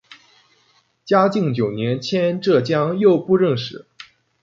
嘉靖九年迁浙江右布政使。